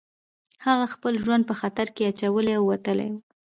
هغه خپل ژوند په خطر کې اچولی او وتلی و